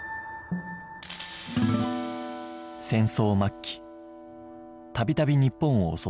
戦争末期度々日本を襲った空襲